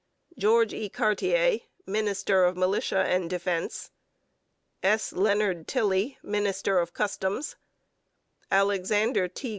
GEORGE E. CARTIER, Minister of Militia and Defence. S. LEONARD TILLEY, Minister of Customs. ALEXANDER T.